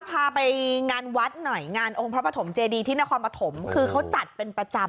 พาไปงานวัดหน่อยงานองค์พระปฐมเจดีที่นครปฐมคือเขาจัดเป็นประจำ